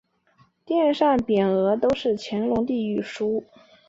殿上匾额都是乾隆帝御书。